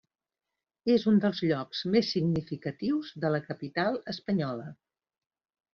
És un dels llocs més significatius de la capital espanyola.